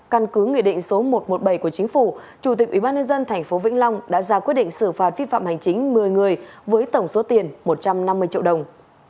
căn cứ nghị định số một trăm một mươi bảy của chính phủ chủ tịch ubnd tp vĩnh long đã ra quyết định xử phạt vi phạm hành chính một mươi người với tổng số tiền một trăm năm mươi triệu đồng